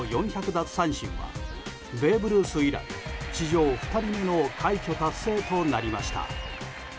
奪三振はベーブ・ルース以来史上２人目の快挙達成となりました。